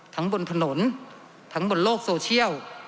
บนถนนทั้งบนโลกโซเชียล